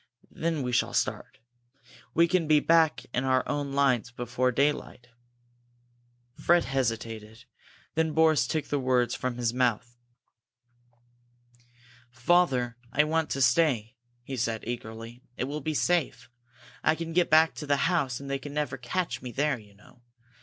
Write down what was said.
Then we shall start. We can be back in our own lines before daylight." Fred hesitated. Then Boris took the words from his mouth. "Father, I want to stay!" he said, eagerly. "It will be safe. I can get back to the house and they can never catch me there, you know!